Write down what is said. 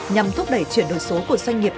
nhằm thúc đẩy chuyển đổi số của doanh nghiệp